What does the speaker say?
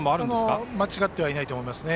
それも間違ってはいないと思いますね。